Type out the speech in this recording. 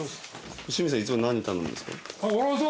清水さんいつも何頼むんですか？